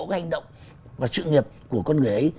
hành động và sự nghiệp của con người ấy